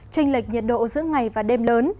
tranh lệch nhiệt độ giữa ngày và đêm lớn